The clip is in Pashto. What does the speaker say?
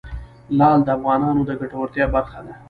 لعل د افغانانو د ګټورتیا برخه ده.